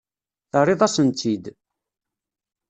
Terriḍ-asent-tt-id.